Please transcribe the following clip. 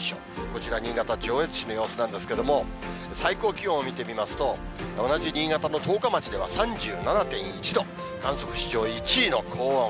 こちら新潟・上越市の様子なんですけれども、最高気温を見てみますと、同じ新潟の十日町では３７．１度、観測史上１位の高温。